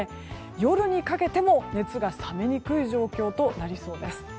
夜にかけても熱が冷めにくい状況となりそうです。